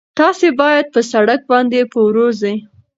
تاسي باید په سړک باندې په ورو ځئ.